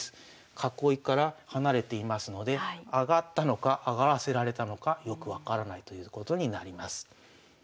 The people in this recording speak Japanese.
囲いから離れていますので上がったのか上がらせられたのかよく分からないということになります。